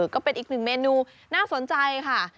ก็เป็นอีกหนึ่งเมนูน่าสนใจค่ะ